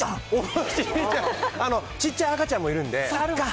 ちっちゃい赤ちゃんもいるんそっか。